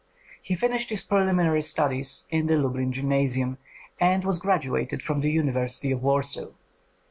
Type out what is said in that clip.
He finished his preliminary studies in the Lublin Gymnasium, and was graduated from the University of Warsaw.